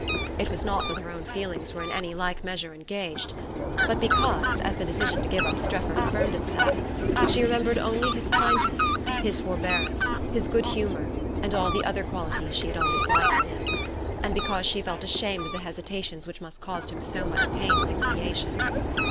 It was not that her own feelings were in any like measure engaged; but because, as the decision to give up Strefford affirmed itself, she remembered only his kindness, his forbearance, his good humour, and all the other qualities she had always liked in him; and because she felt ashamed of the hesitations which must cause him so much pain and humiliation.